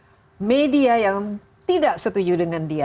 ini termasuk media dengan media yang tidak setuju dengan dia